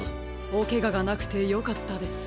おケガがなくてよかったです。